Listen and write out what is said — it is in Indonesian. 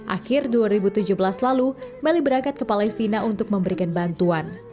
akhir dua ribu tujuh belas lalu melly berangkat ke palestina untuk memberikan bantuan